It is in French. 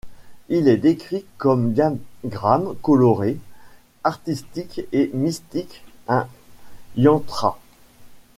Il est décrit comme diagramme coloré, artistique et mystique: un yantra.